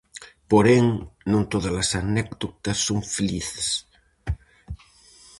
Porén, non tódalas anécdotas son felices.